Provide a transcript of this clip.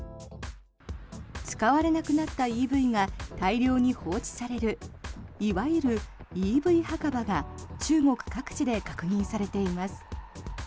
使われなくなったＥＶが大量に放置されるいわゆるＥＶ墓場が中国各地で確認されています。